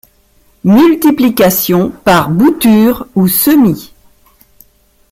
Multiplication par boutures ou semis.